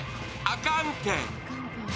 「あかんて」。